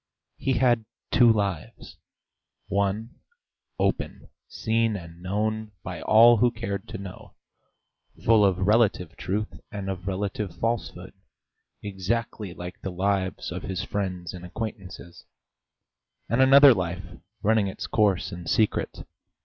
He had two lives: one, open, seen and known by all who cared to know, full of relative truth and of relative falsehood, exactly like the lives of his friends and acquaintances; and another life running its course in secret.